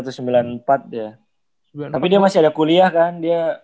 tapi dia masih ada kuliah kan